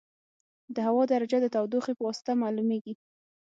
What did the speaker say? د هوا درجه د تودوخې په واسطه معلومېږي.